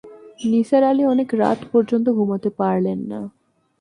নিসার আলি অনেক রাত পর্যন্ত ঘুমুতে পারলেন না।